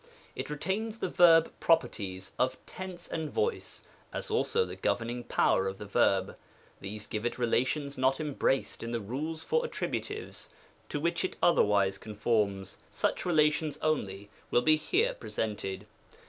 It retains the verb properties of tense and voice, as also the governing power of the verb. These give it relations not embraced in the rules for attribu tives, to which it otherwise conforms ; such relations only will be here presented.